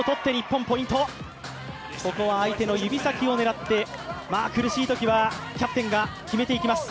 ここは相手の指先を狙って、苦しいときはキャプテンが決めていきます。